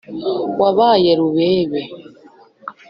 Wabaye Rubebe